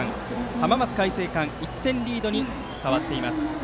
浜松開誠館の１点リードに変わっています。